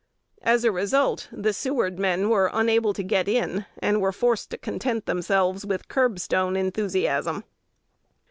As a result, the Seward men were unable to get in, and were forced to content themselves with curbstone enthusiasm.